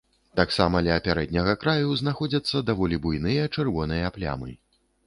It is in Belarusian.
Таксама ля пярэдняга краю знаходзяцца даволі буйныя чырвоныя плямы.